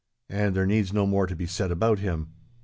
And there needs no more to be said about him.